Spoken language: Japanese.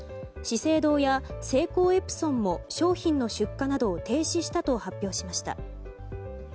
資生堂やセイコーエプソンも商品の出荷などを停止したと発表しました。